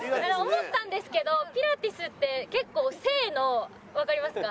思ったんですけどピラティスって結構静のわかりますか？